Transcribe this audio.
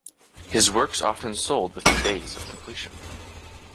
His works often sold within days of completion.